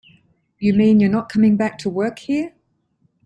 You mean you're not coming back to work here?